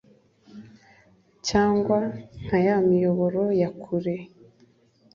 cyangwa, nka ya miyoboro ya kure